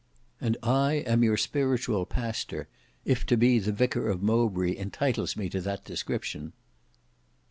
"And I am your spiritual pastor, if to be the vicar of Mowbray entitles me to that description."